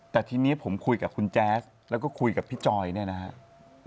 แต่ทีนี้ผมคุยกับคุณแจ๊สแล้วก็คุยกับพี่จอยเนี่ยนะครับ